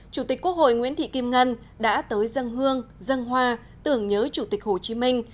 chủ tịch quốc hội nguyễn thị kim ngân đã tới dân hương dân hoa tưởng nhớ chủ tịch hồ chí minh